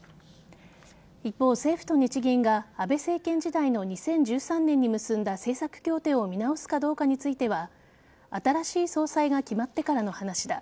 一方、政府と日銀が安倍政権時代の２０１３年に結んだ政策協定を見直すかどうかについては新しい総裁が決まってからの話だ。